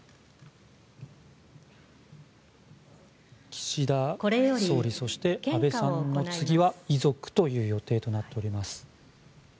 岸田総理そして、昭恵さんの次は遺族という予定となっています。